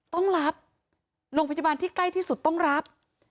ต้องรับโรงพยาบาลที่ใกล้ที่สุดต้องรับ